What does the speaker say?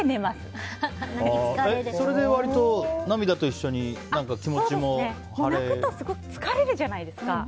それで割と、涙と一緒に泣くとすごく疲れるじゃないですか。